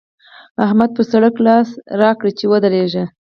احمد پر سړک لاس راکړ چې ودرېږه!